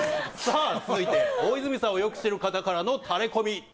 さあ続いて大泉さんをよく知る方からのタレコミ。